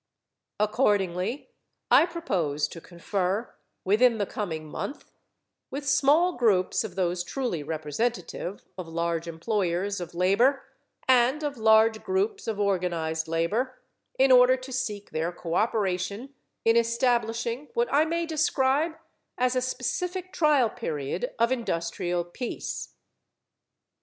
Accordingly, I propose to confer within the coming month with small groups of those truly representative of large employers of labor and of large groups of organized labor, in order to seek their cooperation in establishing what I may describe as a specific trial period of industrial peace.